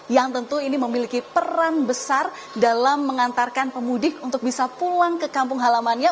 yang tentu ini memiliki peran besar dalam mengantarkan pemudik untuk bisa pulang ke kampung halamannya